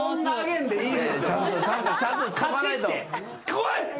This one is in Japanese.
怖い。